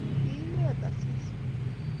Kiinget Asisi